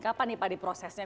kapan nih pak di prosesnya